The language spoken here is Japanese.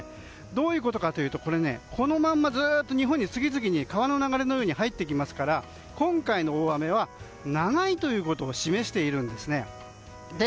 どういうことかというとこのままずっと日本に次々に川の流れのように入ってきますから今回の大雨は長いということを示しているんです。